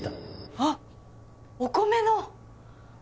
あっお米の！